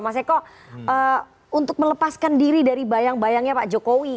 mas eko untuk melepaskan diri dari bayang bayangnya pak jokowi